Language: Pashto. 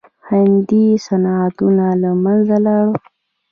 هندي صنعتونه له منځه لاړل.